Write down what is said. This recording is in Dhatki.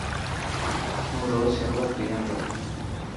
هون روز شربت پيان ٿو.